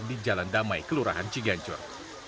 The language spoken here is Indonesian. di jalan damai kelurahan ciganjur